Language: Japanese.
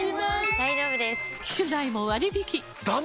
大丈夫です！